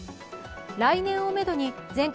来年をめどに全国